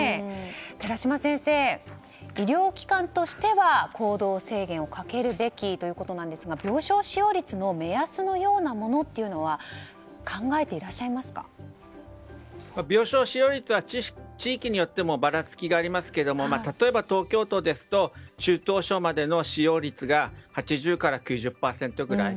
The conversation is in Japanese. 寺嶋先生、医療機関としては行動制限をかけるべきということですが病床使用率の目安のようなものは病床使用率は地域によってばらつきがありますけれども例えば東京都ですと中等症までの使用率が８０％から９０％ぐらい。